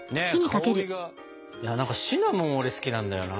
いや何かシナモン俺好きなんだよな。